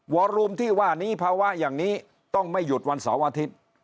อรูมที่ว่านี้ภาวะอย่างนี้ต้องไม่หยุดวันเสาร์อาทิตย์